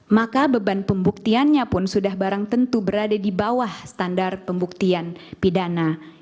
maka beban pembuktiannya pun sudah barang tentu berada di bawah standar pembuktian pidana